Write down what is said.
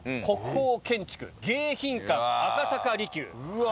うわ。